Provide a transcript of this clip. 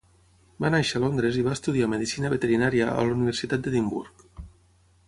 Va néixer a Londres i va estudiar medicina veterinària a la Universitat d'Edimburg.